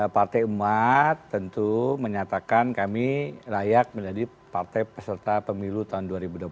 partai umat tentu menyatakan kami layak menjadi partai peserta pemilu tahun dua ribu dua puluh